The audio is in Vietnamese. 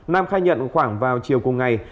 nam khai nhận khoảng vào chiều cùng ngày